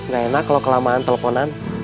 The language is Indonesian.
gak enak kalau kelamaan teleponan